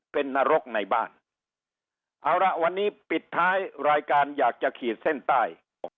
เป็นนรกในบ้านเอาละวันนี้ปิดท้ายรายการอยากจะขีดเส้นใต้